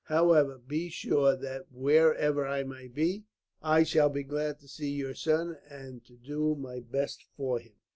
However, be sure that wherever I may be, I shall be glad to see your son, and to do my best for him.